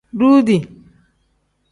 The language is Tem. Duudi.